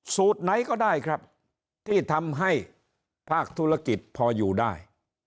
สูตรไหนก็ได้ครับที่ทำให้ภาคธุรกิจพออยู่ได้